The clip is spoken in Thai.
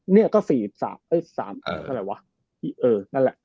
๒๐๒๒เนี่ยก็๔๓เอ้ย๓อะไรวะเอ่อนั่นแหละ